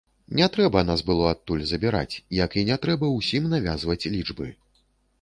Не трэба нас было адтуль забіраць, як і не трэба ўсім навязваць лічбы.